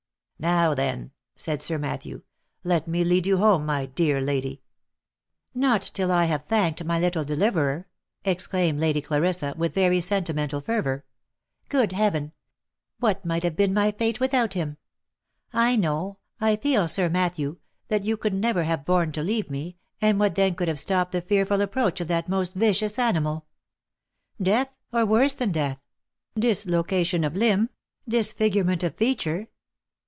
" Now, then," said Sir Matthew, " let me lead you home, my dear lady !"" Not till I have thanked my little deliverer," exclaimed Lady Clarissa, with very sentimental fervour. " Good heaven ! what might have been my fate without him ! I know — I feel, Sir Matthew, that you never could have borne to leave me, and what then could have stopped the fearful approach of that most vicious animal ?— Death, or worse than death — dislocation of limb, disfigurement of feature